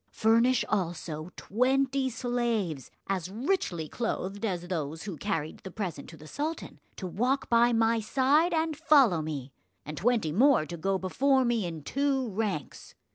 Furnish also twenty slaves, as richly clothed as those who carried the present to the sultan, to walk by my side and follow me, and twenty more to go before me in two ranks.